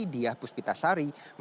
diyah puspita sari